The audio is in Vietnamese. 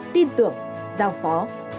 tượng giao phó